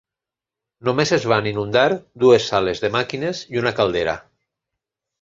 Només es van inundar dues sales de màquines i una caldera.